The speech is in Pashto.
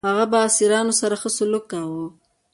هغه به اسیرانو سره ښه سلوک کاوه.